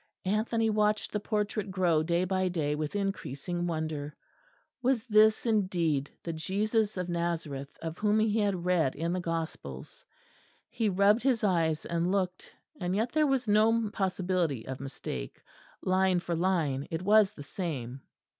Anthony watched the portrait grow day by day with increasing wonder. Was this indeed the Jesus of Nazareth of whom he had read in the Gospels? he rubbed his eyes and looked; and yet there was no possibility of mistake, line for line it was the same.